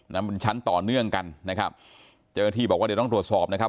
นั้นมันชั้นต่อเนื่องกันนะครับเจ้าหน้าที่บอกว่าเดี๋ยวต้องตรวจสอบนะครับ